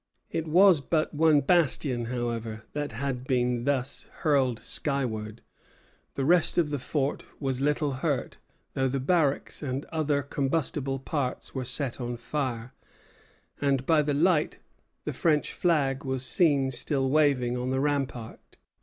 It was but one bastion, however, that had been thus hurled skyward. The rest of the fort was little hurt, though the barracks and other combustible parts were set on fire, and by the light the French flag was seen still waving on the rampart.